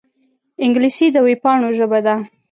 انګلیسي د وېبپاڼو ژبه ده